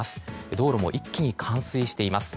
道路も一気に冠水しています。